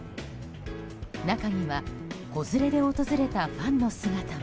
中には子連れで訪れたファンの姿も。